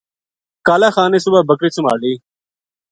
کالا خان نے صبح بکری سُمہالی